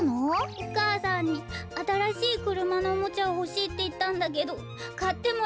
お母さんにあたらしいくるまのおもちゃをほしいっていったんだけどかってもらえなかったんだ。